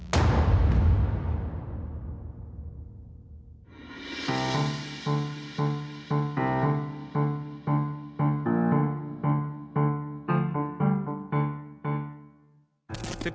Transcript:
มันกลายเป็นแบบที่สุดแต่กลายเป็นแบบที่สุด